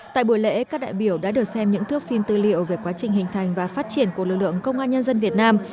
tại buổi lễ các đại biểu đã được xem những thước phim tư liệu về quá trình hình thành và phát triển của lực lượng công an nhân dân việt nam